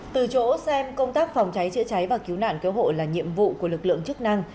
từ chỗ xem công tác phòng cháy chữa cháy và cứu nạn cứu hộ là nhiệm vụ của lực lượng chức năng